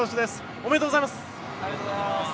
ありがとうございます。